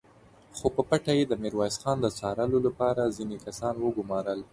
خو په پټه يې د ميرويس خان د څارلو له پاره ځينې کسان وګومارل!